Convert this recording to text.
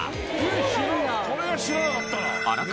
これは知らなかったな。